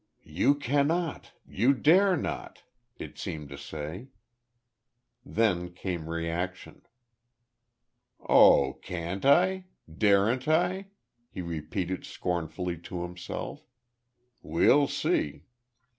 "You cannot. You dare not," it seemed to say. Then came reaction. "Oh, can't I? Daren't I?" he repeated scornfully to himself. "We'll see."